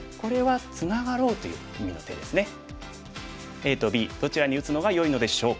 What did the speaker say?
ＡとＢどちらに打つのがよいのでしょうか？